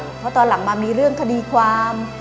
เพราะตอนหลังมามีเรื่องคดีความ